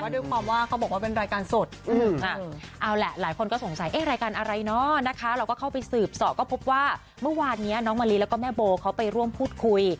ด้วยความว่าเขาบอกว่าเป็นรายการสดเอาแหละหลายคนก็สงสัยรายการอะไรเนาะนะคะเราก็เข้าไปสืบสอบก็พบว่าเมื่อวานนี้น้องมะลิแล้วก็แม่โบเขาไปร่วมพูดคุย